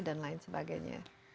dan lain sebagainya